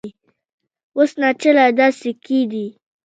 اوس ناچله دا سکې دي